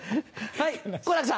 はい。